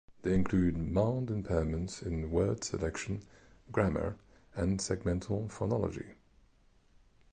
They include mild impairments in word selection, grammar, and segmental phonology.